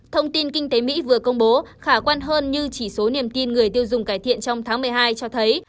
thông tin kinh tế mỹ vừa công bố khả quan hơn như chỉ số niềm tin người tiêu dùng cải thiện trong tháng một mươi hai cho thấy